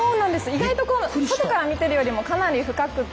意外と外から見てるよりもかなり深くて。